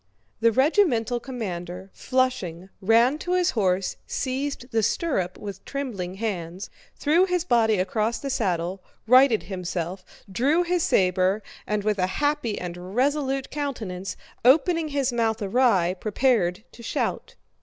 The regimental commander, flushing, ran to his horse, seized the stirrup with trembling hands, threw his body across the saddle, righted himself, drew his saber, and with a happy and resolute countenance, opening his mouth awry, prepared to shout.